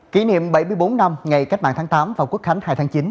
kỷ niệm bảy mươi bốn năm ngày cách mạng tháng tám và quốc khánh hai tháng chín